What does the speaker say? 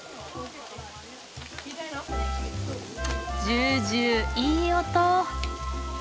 ジュージューいい音。